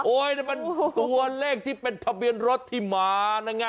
นี่มันตัวเลขที่เป็นทะเบียนรถที่มานะไง